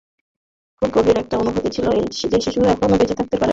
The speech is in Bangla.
খুব গভীর একটা অনুভূতি ছিল যে শিশুরা এখনও বেঁচে থাকতে পারে না।